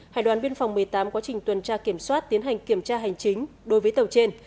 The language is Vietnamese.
hải đoàn biên phòng một mươi tám quá trình tuần tra kiểm soát tiến hành kiểm tra hành chính đối với tàu trên